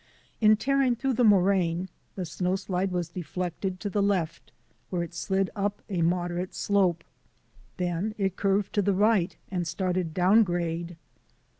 In tearing through the moraine the snowslide was deflected to the left where it slid up a moderate slope. Then it curved to the right and started down grade.